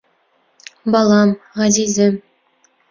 — Балам, ғәзизем...